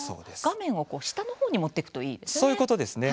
画面を下の方に持っていくといいですね。